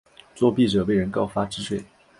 作弊者被人告发治罪。